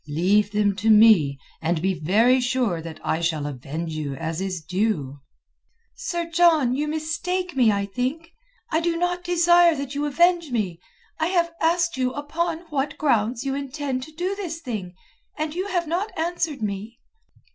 Leave them to me, and be very sure that I shall avenge you as is due." "Sir John, you mistake me, I think. I do not desire that you avenge me. I have asked you upon what grounds you intend to do this thing, and you have not answered me."